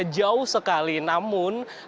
jauh sekali namun